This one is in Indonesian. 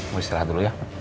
mau istirahat dulu ya